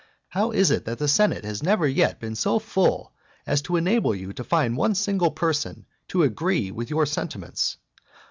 How is it that the senate has never yet been so full as to enable you to find one single person to agree with your sentiments?